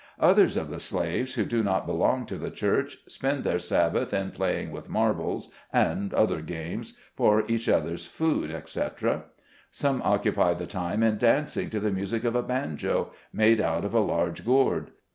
Others of the slaves, who do not belong to the church, spend their Sabbath in playing with marbles, and other games, for each other's food, etc. Some occupy the time in dancing to the music of a banjo, made out of a large gourd.